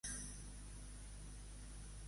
Quin és el propòsit de PDECat?